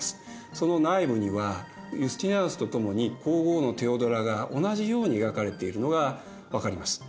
その内部にはユスティニアヌスとともに皇后のテオドラが同じように描かれているのが分かります。